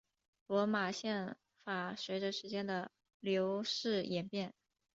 罗马宪法随着时间的流逝演变。